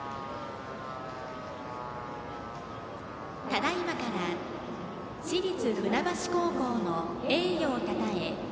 ただいまから市立船橋高校の栄誉をたたえ